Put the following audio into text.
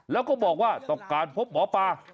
แล้วก็บอกว่าต้องการพบหมอปลา